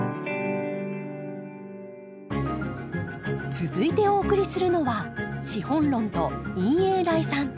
続いてお送りするのは「資本論」と「陰翳礼讃」。